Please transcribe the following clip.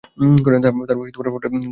তারপর হঠাৎ তিনি অন্তর্হিত হলেন।